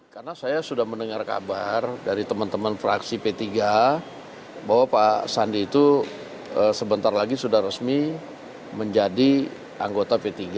karena saya sudah mendengar kabar dari teman teman fraksi p tiga bahwa pak sandi itu sebentar lagi sudah resmi menjadi anggota p tiga